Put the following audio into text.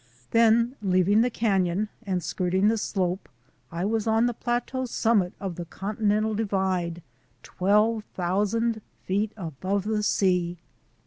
Then leaving the canon and skirting the slope, I was on the plateau summit of the Continental Divide, twelve thousand feet above the sea.